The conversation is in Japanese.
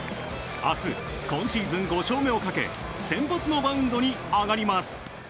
明日、今シーズン５勝目をかけ先発のマウンドに上がります。